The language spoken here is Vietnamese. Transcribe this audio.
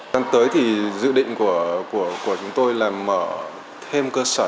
đang tới thì dự định của chúng tôi là mở thêm cơ sở